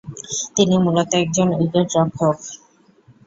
তিনি মূলত একজন উইকেট রক্ষক।